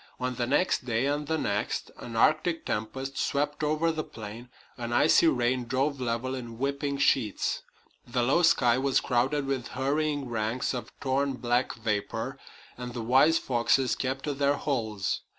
On the next day and the next an Arctic tempest swept over the plain, an icy rain drove level in whipping sheets, the low sky was crowded with hurrying ranks of torn black vapor, and the wise foxes kept to their holes.